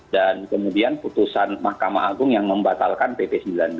dan kemudian putusan mahkamah agung yang membatalkan pp sembilan belas